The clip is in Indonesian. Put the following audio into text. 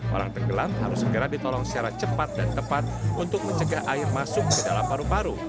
orang tenggelam harus segera ditolong secara cepat dan tepat untuk mencegah air masuk ke dalam paru paru